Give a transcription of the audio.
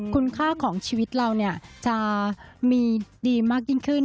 คุณค่าของชีวิตเราจะมีดีมากยิ่งขึ้น